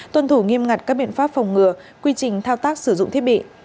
tuân thủ nghiêm ngặt các biện pháp phòng ngừa quy trình thao tác sử dụng thiết bị